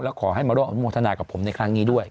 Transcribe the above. แล้วขอให้มาร่วมอนุโมทนากับผมในครั้งนี้ด้วย